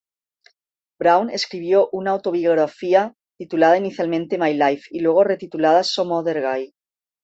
Brown escribió una autobiografía titulada inicialmente "My Life" y luego retitulada "Some Other Guy!